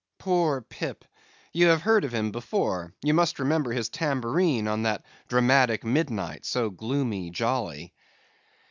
Poor Pip! ye have heard of him before; ye must remember his tambourine on that dramatic midnight, so gloomy jolly.